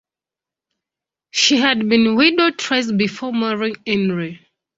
She had been widowed twice before marrying Henry.